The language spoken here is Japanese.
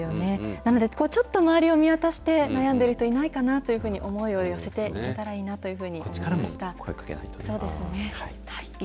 なので、ちょっと周りを見渡して、悩んでる人いないかなというふうに思いを寄せていけたらいいなとこちらからも声をかけないと。